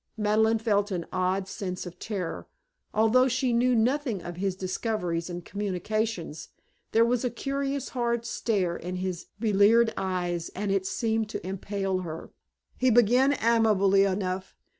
Madeleine felt an odd sense of terror, although she knew nothing of his discoveries and communications; there was a curious hard stare in his bleared eyes and it seemed to impale her. He began amiably enough.